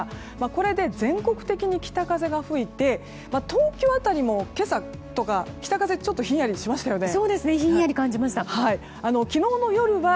これで、全国的に北風が吹いて東京辺りも今朝とか北風ちょっとひんやりしましたよね。